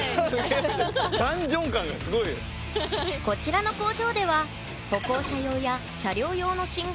こちらの工場では歩行者用や車両用のうわ